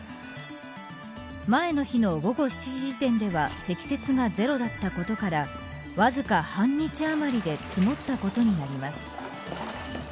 前の日の午後７時時点では積雪がゼロだったことからわずか半日あまりで積もったことになります。